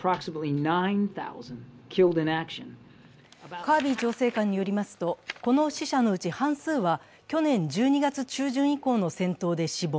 カービー調整官によりますと、この死者のうち半数は去年１２月中旬以降の戦闘で死亡。